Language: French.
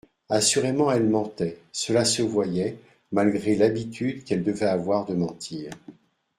Assurément elle mentait, cela se voyait, malgré l'habitude qu'elle devait avoir de mentir.